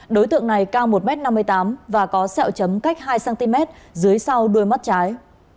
đối tượng này cao một m năm mươi tám và có sẹo chấm cách hai cm dưới sau đuôi mắt trái